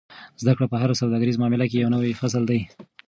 زده کړه په هره سوداګریزه معامله کې یو نوی فصل دی.